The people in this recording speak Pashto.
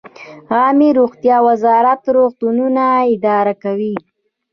عامې روغتیا وزارت روغتونونه اداره کوي